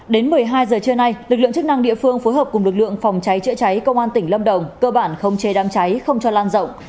đến một mươi hai giờ trưa nay lực lượng chức năng địa phương phối hợp cùng lực lượng phòng cháy chữa cháy công an tỉnh lâm đồng cơ bản không chế đám cháy không cho lan rộng